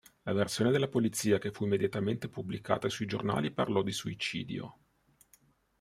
La versione della polizia che fu immediatamente pubblicata sui giornali parlò di suicidio.